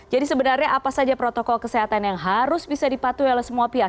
jadi sebenarnya apa saja protokol kesehatan yang harus bisa dipatuhi oleh semua pihak